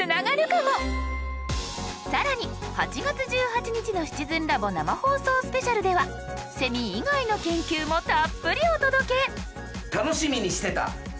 更に８月１８日の「シチズンラボ生放送スペシャル」ではセミ以外の研究もたっぷりお届け！